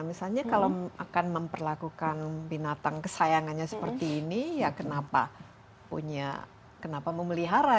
misalnya kalau akan memperlakukan binatang kesayangannya seperti ini ya kenapa punya kenapa memelihara